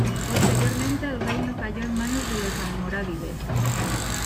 Posteriormente el reino cayó en manos de los almorávides.